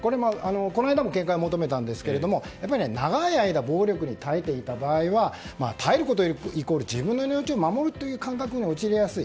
この間も見解を求めましたが長い間暴力に耐えていた場合は耐えることイコール自分の命を守るという感覚に陥りやすい。